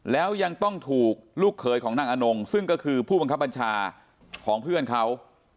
แล้วยังต้องถูกลูกเขยของนางอนงซึ่งก็คือผู้บังคับบัญชาของเพื่อนเขา